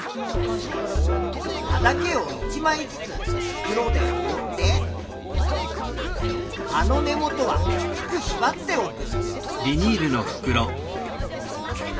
葉だけを１まいずつ袋でおおって葉の根元はきつくしばっておく。